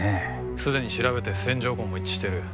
すでに調べて線条痕も一致してる。